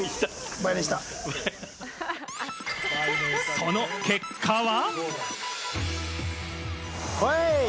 その結果は？